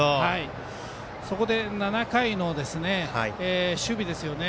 そこで７回の守備ですよね。